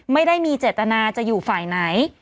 ไม่ได้มีเจตนาจะอยู่ฝ่ายไหน